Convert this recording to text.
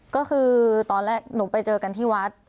ก็คือตอนแรกหนูไปเจอกันที่วัด